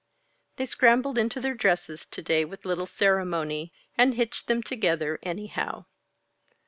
They scrambled into their dresses to day with little ceremony, and hitched them together anyhow.